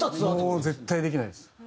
もう絶対できないです。